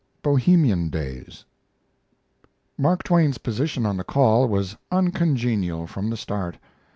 BOHEMIAN DAYS Mark Twain's position on the 'Call' was uncongenial from the start.